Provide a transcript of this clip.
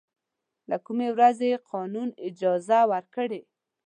له کومې ورځې یې قانوني اجازه ورکړې.